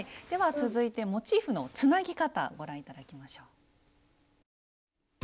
では続いてモチーフのつなぎ方ご覧頂きましょう。